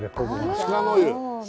鹿の湯